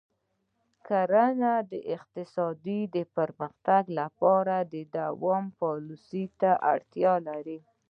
کرنه د اقتصادي پراختیا لپاره دوامداره پالیسۍ ته اړتیا لري.